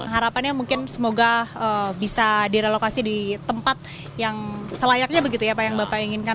harapannya mungkin semoga bisa direlokasi di tempat yang selayaknya begitu ya pak yang bapak inginkan